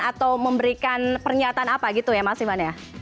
atau memberikan pernyataan apa gitu ya mas iman ya